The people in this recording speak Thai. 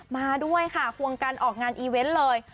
มาด้วยค่ะควงกันออกงานอีเวนต์เลย